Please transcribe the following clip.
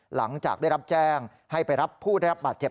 หลังจากได้รับแจ้งให้ไปรับผู้ได้รับบาดเจ็บ